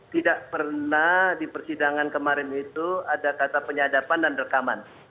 tidak pernah di persidangan kemarin itu ada kata penyadapan dan rekaman